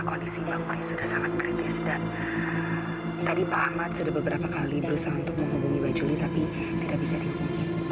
aku bersedia menghabiskan sisa hidup aku bersama kamu